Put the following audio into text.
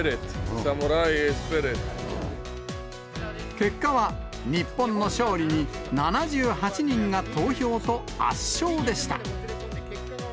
結果は、日本の勝利に７８人が投票と、圧勝でした。